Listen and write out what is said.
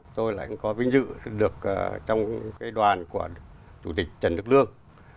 hai nghìn ba tôi lại có vinh dự được trong cái đoàn của chủ tịch trần đức lương